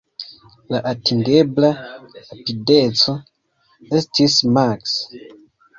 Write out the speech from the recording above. La atingebla rapideco estis maks.